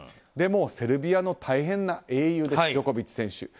でも、セルビアの大変な英雄です、ジョコビッチ選手。